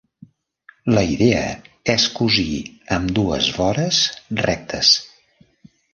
La idea és cosir ambdues vores rectes.